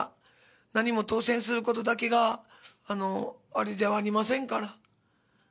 何も当選することだけがあれではありませんから。